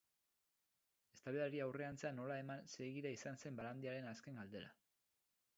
Eztabaidari aurrerantzean nola eman segida izan zen Barandiaranen azken galdera.